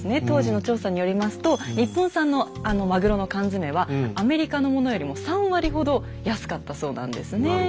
当時の調査によりますと日本産のあのマグロの缶詰はアメリカのものよりも３割ほど安かったそうなんですね。